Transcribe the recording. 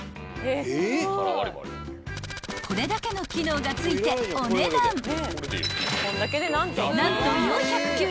［これだけの機能がついてお値段何と］